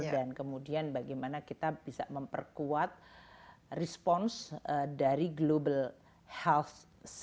dan kemudian bagaimana kita bisa memperkuat response dari global health